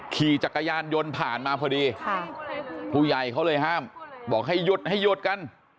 ขี่จักรยานยนต์ผ่านมาพอดีผู้ใหญ่เขาเลยห้ามบอกให้หยุดให้หยุดกัน